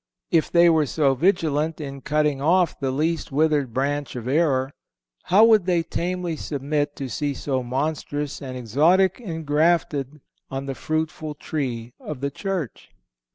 If they were so vigilant in cutting off the least withered branch of error, how would they tamely submit to see so monstrous an exotic engrafted on the fruitful tree of the Church?